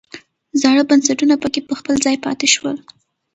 زاړه بنسټونه پکې په خپل ځای پاتې شول.